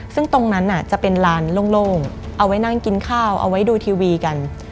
ซึ่งตรงนั้นจะเป็นลานโล่งเอาไว้นั่งกินข้าวเอาไว้ดูทีวีกัน